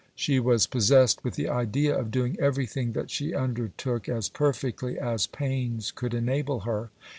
She was possessed with the idea of doing everything that she undertook as perfectly as pains could enable her.